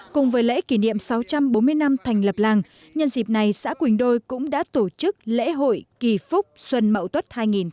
cùng với lễ kỷ niệm sáu trăm bốn mươi năm thành lập làng nhân dịp này xã quỳnh đôi cũng đã tổ chức lễ hội kỳ phúc xuân mậu tuất hai nghìn hai mươi